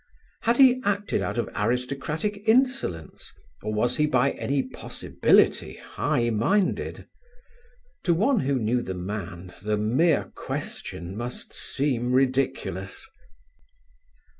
Had he acted out of aristocratic insolence, or was he by any possibility high minded? To one who knew the man the mere question must seem ridiculous.